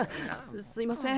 すいません。